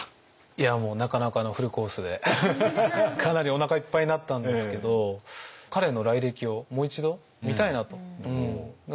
いやもうなかなかのフルコースでかなりおなかいっぱいになったんですけど彼の来歴をもう一度見たいなと勉強したいなと。